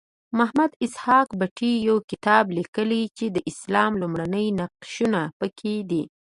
محمد اسحاق بټي یو کتاب لیکلی چې د اسلام لومړني نقشونه پکې دي.